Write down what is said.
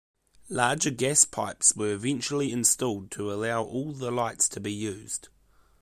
Larger gas pipes were eventually installed to allow all the lights to be used.